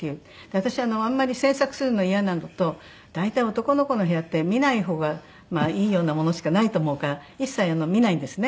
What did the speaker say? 私あんまり詮索するのイヤなのと大体男の子の部屋って見ない方がいいようなものしかないと思うから一切見ないんですね。